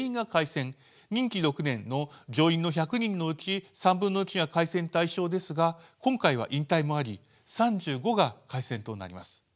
任期６年の上院の１００人のうち３分の１が改選対象ですが今回は引退もあり３５が改選となります。